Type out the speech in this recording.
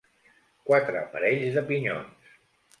Quatre parells de pinyons.